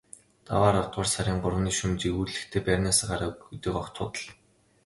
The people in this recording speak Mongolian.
Даваа аравдугаар сарын гуравны шөнө жижүүрлэхдээ байрнаасаа гараагүй гэдэг огт худал.